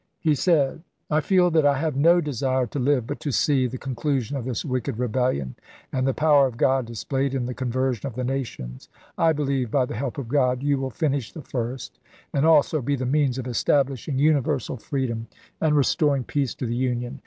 He said : I feel that I have no desire to live but to see the con clusion of this wicked rebellion and the power of God displayed in the conversion of the nations. I believe, by the help of God, you will finish the first, and also be the means of establishing universal freedom and restoring LINCOLN EEELEOTED 383 peace to the Union.